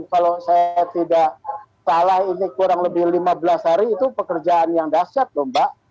kalau saya tidak salah ini kurang lebih lima belas hari itu pekerjaan yang dahsyat lho mbak